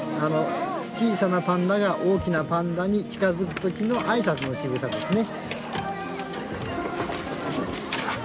小さなパンダが大きなパンダに近づくときの挨拶の仕草ですね。